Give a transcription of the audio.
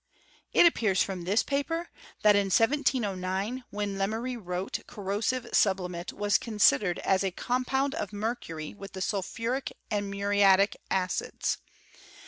— It appears from this paper, that in 1709, when Lemery wrote, corrosive sublimate was considered as a compound of mercury with the sulphuric and mu riatic acids.